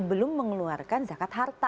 belum mengeluarkan zakat harta